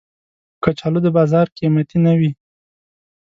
کچالو د بازار قېمتي نه وي